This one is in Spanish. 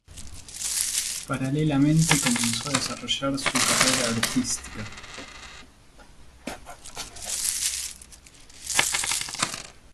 Paralelamente, comenzó a desarrollar su carrera artística.